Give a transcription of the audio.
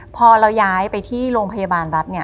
พอเราย้ายไปที่โรงพยาบาลรัฐเนี่ย